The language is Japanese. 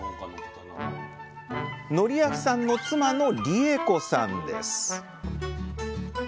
訓章さんの妻の理恵子さんです